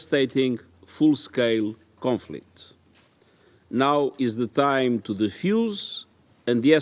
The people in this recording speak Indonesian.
sekarang adalah waktu untuk mengembang dan mengembang